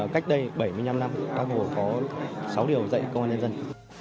cách đây bảy mươi năm năm bác hồ có sáu điều dạy công an nhân dân